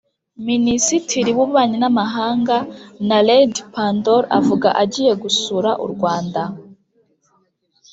Minisitiri w'ububanyi n'amahanga Naledi Pandor avuga agiye gusura u Rwanda